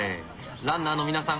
ランナーの皆さん